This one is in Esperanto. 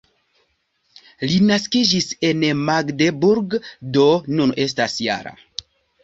Li naskiĝis en Magdeburg, do nun estas -jara.